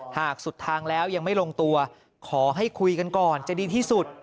หากสุดทางแล้วยังไม่ลงตัวขอให้คุยกันก่อนจะดีที่สุด